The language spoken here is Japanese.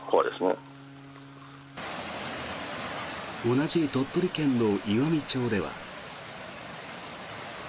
同じ鳥取県の岩美町では。